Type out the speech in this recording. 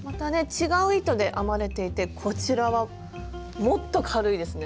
違う糸で編まれていてこちらはもっと軽いですね。